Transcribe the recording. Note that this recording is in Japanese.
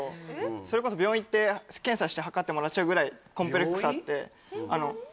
それこそ病院行って検査してはかってもらっちゃうぐらいコンプレックスあって身長に？